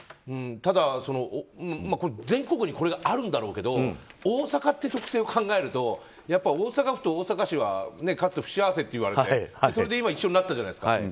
ただ全国にこれがあるんだろうけど大阪って特性を考えるとやっぱ大阪府と大阪市はかつてふしあわせといわれてそれで今一緒になったじゃないですか。